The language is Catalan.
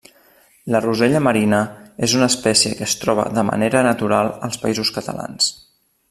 La rosella marina és una espècie que es troba de manera natural als Països Catalans.